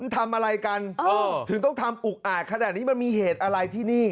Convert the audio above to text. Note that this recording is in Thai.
ทำอะไรกันถึงต้องทำอุกอาจขนาดนี้มันมีเหตุอะไรที่นี่